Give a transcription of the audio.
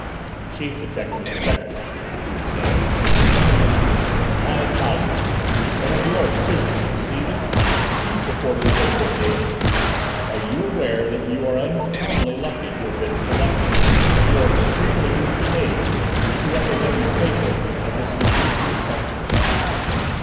"Chief detective inspectors," Juve said, pointing them out: "my colleagues. Some of yours too: do you see them? Chief reporters of the big dailies. Are you aware that you are uncommonly lucky to have been selected, at your extremely youthful age, to represent your paper at this lugubrious function?"